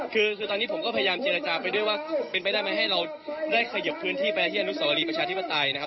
คือตอนนี้ผมก็พยายามเจรจาไปด้วยว่าเป็นไปได้ไหมให้เราได้ขยิบพื้นที่ไปที่อนุสวรีประชาธิปไตยนะครับ